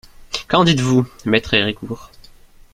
Qu'en dites-vous, Maître Héricourt?